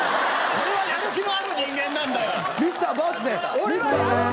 俺はやる気がある人間なんだよ！